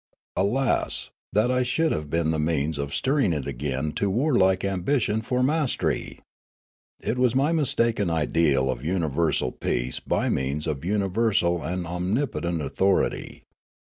Alas, that I should have been the means of stirring it again to warlike ambition for mas tery! It was ni}' mistaken ideal of universal peace by means of universal and omnipotent authorit}'.